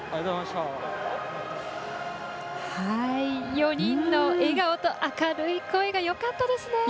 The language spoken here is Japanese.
４人の笑顔と明るい声がよかったですね。